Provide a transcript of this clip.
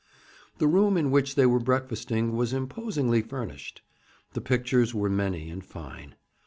The room in which they were breakfasting was imposingly furnished. The pictures were many and fine.